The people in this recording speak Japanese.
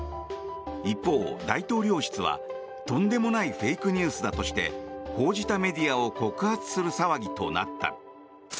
一方、大統領室はとんでもないフェイクニュースだとして報じたメディアを告発する騒ぎとなった。